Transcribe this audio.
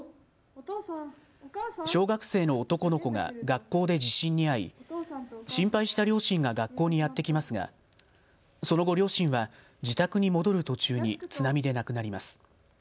小学生の男の子が学校で地震に遭い、心配した両親が学校にやって来ますがその後、両親は自宅に戻る途中に津波で亡くなります。